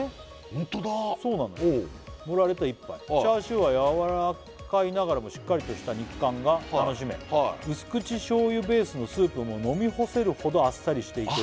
ホントだ「盛られた一杯」「チャーシューはやわらかいながらもしっかりとした肉感が楽しめ」「薄口醤油ベースのスープも飲み干せるほどあっさりしていて」